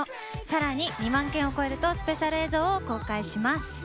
さらに２万件を超えるとスペシャル映像を公開します。